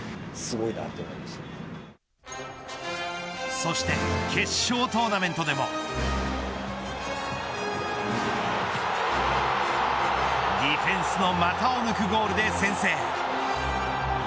そして決勝トーナメントでもディフェンスの股を抜くゴールで先制。